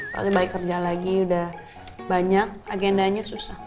paling balik kerja lagi udah banyak agendanya susah